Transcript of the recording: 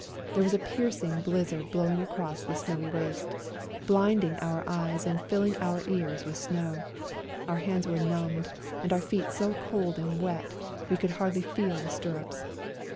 There was a piercing blizzard blowing across the snowy waste, blinding our eyes and filling our ears with snow; our hands were numbed, and our feet so cold and wet we could hardly feel the stirrups.